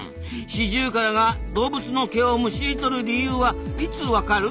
シジュウカラが動物の毛をむしり取る理由はいつわかる？